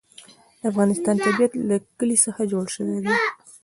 د افغانستان طبیعت له کلي څخه جوړ شوی دی.